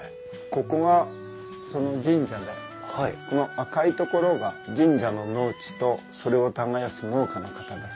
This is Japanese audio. ここがその神社でこの赤いところが神社の農地とそれを耕す農家の方です。